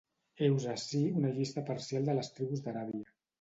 Heus ací una llista parcial de les tribus d'Aràbia.